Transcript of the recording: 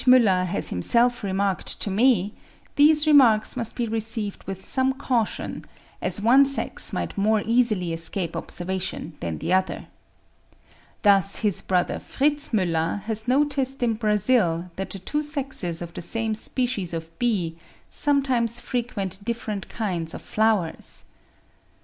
Müller has himself remarked to me, these remarks must be received with some caution, as one sex might more easily escape observation than the other. Thus his brother Fritz Müller has noticed in Brazil that the two sexes of the same species of bee sometimes frequent different kinds of flowers.